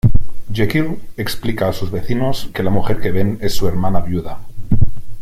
Jekyll explica a sus vecinos que la mujer que ven es su hermana viuda.